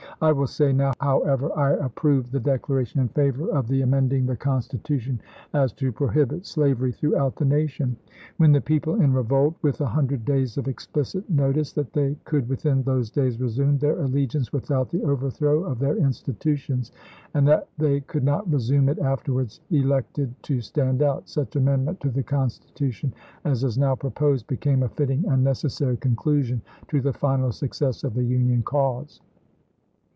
I will say now, however, I approve the declaration in favor of so amending the Constitution as to prohibit slavery through 76 ABKAHAM LINCOLN Chap. III. Mc Pherson, " History of the Rebellion,' p. 408. out the nation. When the people in revolt, with a hun dred days of explicit notice that they could within those days resume their allegiance without the overthrow of their institutions, and that they could not resume it afterwards, elected to stand out, such amendment to the Constitution as is now proposed became a fitting and necessary conclusion to the final success of the Union cause.